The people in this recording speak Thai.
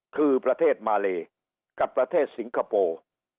คือประเทศมาเลกับประเทศสิงคโปร์